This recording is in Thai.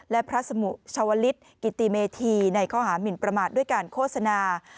และพระสมุชาวลิศกิติเมธีในข้อหามินประมาทด้วยการโฆษณา